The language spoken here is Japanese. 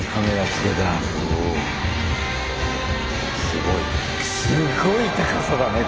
すごいね。